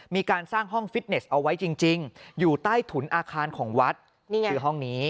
มีการสร้างห้องฟิตเนสเอาไว้จริงอยู่ใต้ถุนอาคารของวัดนี่ไงคือห้องนี้